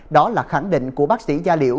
đó là khẳng định của bác sĩ gia liễu